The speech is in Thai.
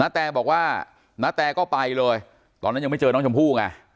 แตบอกว่าณแตก็ไปเลยตอนนั้นยังไม่เจอน้องชมพู่ไง